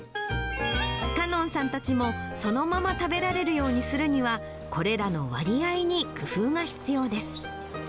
かのんさんたちもそのまま食べられるようにするには、これらの割合に工夫が必要です。